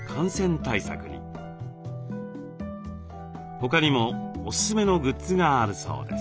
他にもおすすめのグッズがあるそうです。